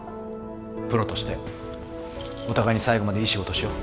プロとしてお互いに最後までいい仕事をしよう。